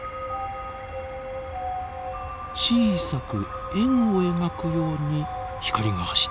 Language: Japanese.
小さく円を描くように光が走っています。